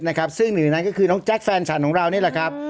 หนึ่งในนั้นก็คือน้องแจ๊คแฟนฉันของเรานี่แหละครับ